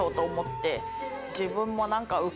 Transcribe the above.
自分も何か。